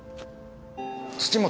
土本